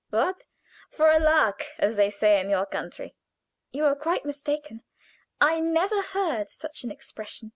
"What for a lark! as they say in your country." "You are quite mistaken. I never heard such an expression.